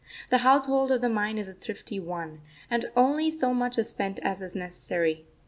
The household of the mind is a thrifty one, and only so much is spent as is necessary.